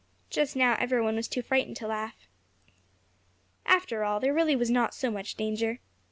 Just now every one was too frightened to laugh. After all, there really was not so much danger.